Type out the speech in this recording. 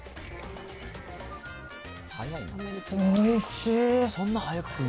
おいしい。